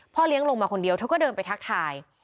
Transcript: เลี้ยงลงมาคนเดียวเธอก็เดินไปทักทาย